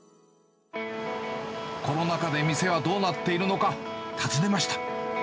コロナ禍で店はどうなっているのか、訪ねました。